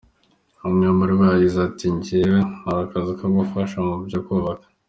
Umwe muri bo yagize ati: "Jewe nkora akazi ko gufasha mu vyo kwubaka.